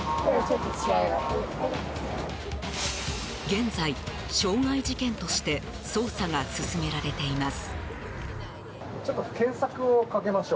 現在、傷害事件として捜査が進められています。